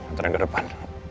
hantarin lu ke depan